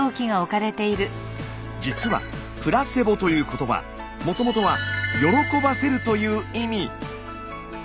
実は「プラセボ」という言葉もともとは「喜ばせる」という意味。